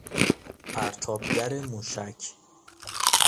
پرتابگر موشک